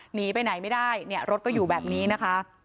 หนีไปไหนไม่ได้เนี่ยรถก็อยู่แบบนี้นะคะ